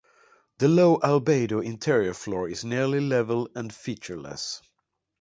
The low-albedo interior floor is nearly level and featureless.